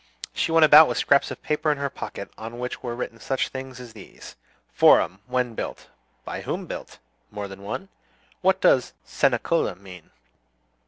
She went about with scraps of paper in her pocket, on which were written such things as these: "Forum. When built? By whom built? More than one?" "What does Cenacola mean?"